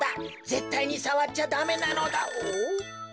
ぜったいにさわっちゃダメなのだ。